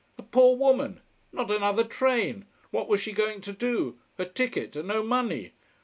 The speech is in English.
A poor woman! Not another train! What was she going to do! Her ticket? And no money.